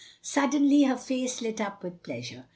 " Suddenly her face lit up with pleasure.